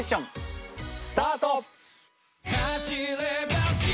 スタート！